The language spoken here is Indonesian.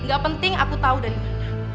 gak penting aku tahu dari mana